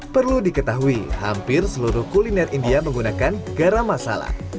perlu diketahui hampir seluruh kuliner india menggunakan garam masala